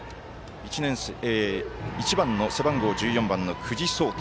１番、背番号１４番の久慈颯大。